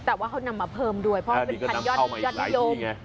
แต่ว่าเขานำมาเพิ่มด้วยเพราะมันเป็นพันยอดนิยม